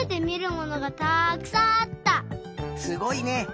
すごいね。